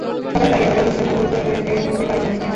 সকালে তাঁকে এলাকার লোকজন মারধর করে আমাদের বাড়ির সামনে নিয়ে আসে।